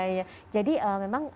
iya jadi memang